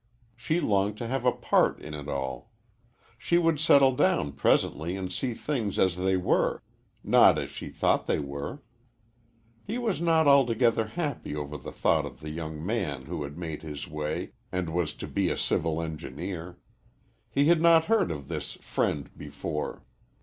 She longed to have a part in it all. She would settle down presently and see things as they were not as she thought they were. He was not altogether happy over the thought of the young man who had made his way and was to be a civil engineer. He had not heard of this friend before.